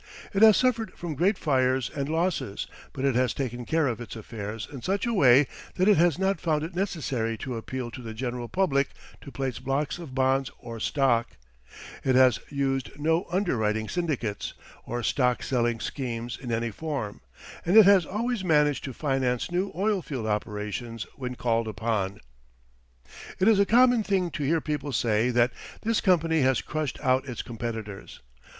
It has suffered from great fires and losses, but it has taken care of its affairs in such a way that it has not found it necessary to appeal to the general public to place blocks of bonds or stock; it has used no underwriting syndicates or stock selling schemes in any form, and it has always managed to finance new oil field operations when called upon. It is a common thing to hear people say that this company has crushed out its competitors.